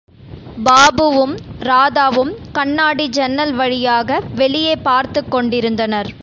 பாபுவும், ராதாவும் கண்ணாடி ஜன்னல் வழியாக வெளியே பார்த்துக் கொண்டிருந்தனர்.